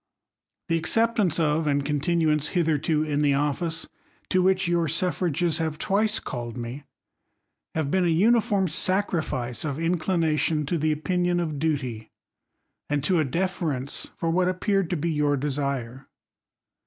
The acceptance of, and continuance hidierto in the office to which your suffrages have twice called me, have been a uniform sacrifice of inclination to the opin ion of duty, and to a deference for what appeared to be your desire.